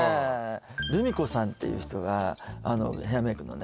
ＲＵＭＩＫＯさんっていう人がヘアメイクのね